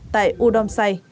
tại u đông say